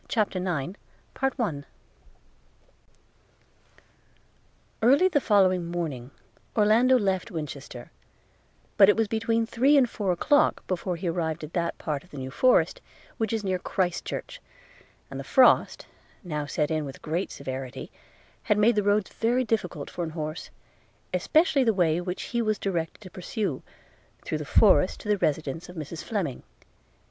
CHAPTER IX EARLY on the following morning, Orlando left Winchester; but it was between three and four o'clock before he arrived at that part of the New Forest which is near Christchurch, and the frost, now set in with great severity, had made the roads very difficult for an horse, especially the way which he was directed to pursue, through the forest to the residence of Mrs Fleming.